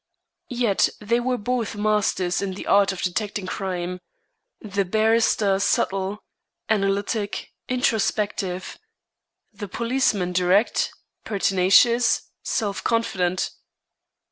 Yet they were both masters in the art of detecting crime the barrister subtle, analytic, introspective; the policeman direct, pertinacious, self confident.